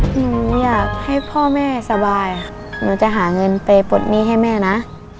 หนูอยากให้พ่อแม่สบายหนูจะหาเงินไปปลดหนี้ให้แม่นะ